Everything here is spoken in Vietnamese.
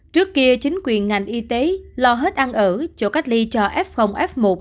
trước kia chính quyền ngành y tế lo hết ăn ở chỗ cách ly cho f f một